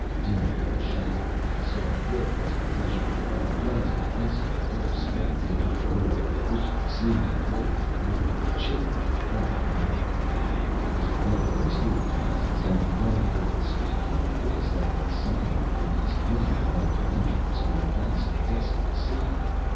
Dim and shadowy, I saw it flit across the threshold, while a blast of ice cold air swept down the room, which seemed to blow through me, chilling my very heart. I was aware of the mysterious presence, and then I heard it speak in a voice like the sighing of an east wind among pine trees on the banks of a desolate sea.